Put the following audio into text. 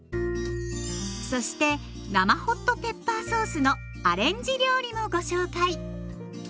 そして生ホットペッパーソースのアレンジ料理もご紹介。